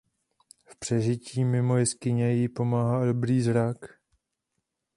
V přežití mimo jeskyně ji pomáhá dobrý zrak.